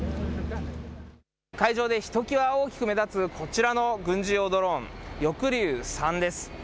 会場でひときわ大きく目立つこちらの軍事用ドローン、翼竜３です。